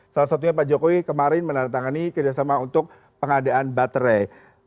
salah satunya pak jokowi kemarin menandatangani kerjasama untuk pengadaan baterai